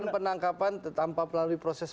penangkapan tanpa melalui proses